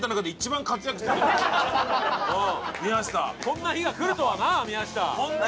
こんな日が来るとはな宮下。